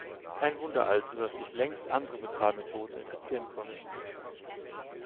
Kein Wunder also, dass sich längst andere Bezahlmethoden etablieren konnten.